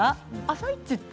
「あさイチ」